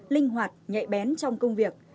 linh hoạt nhẹ bén trong công việc